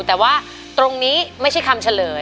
แต่ว่าตรงนี้ไม่ใช่คำเฉลย